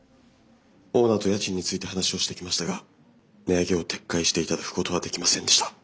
オーナーと家賃について話をしてきましたが値上げを撤回していただくことはできませんでした。